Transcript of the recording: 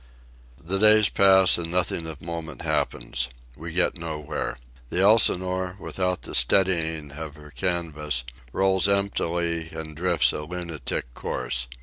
The days pass, and nothing of moment happens. We get nowhere. The Elsinore, without the steadying of her canvas, rolls emptily and drifts a lunatic course.